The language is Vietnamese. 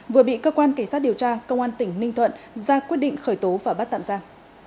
vừa bị cơ quan cảnh sát điều tra công an tỉnh ninh thuận ra quyết định khởi tố và bắt tạm giam